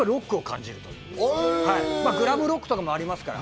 これにロックを感じる、グラムロックとかもありますから。